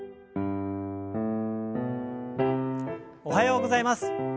おはようございます。